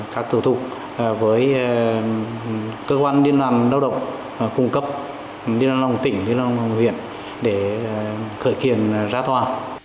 các thủ tục với cơ quan điên đoàn lao động cung cấp điên đoàn lao động tỉnh điên đoàn lao động huyện để khởi kiện ra thoa